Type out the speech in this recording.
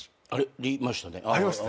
ありましたよね。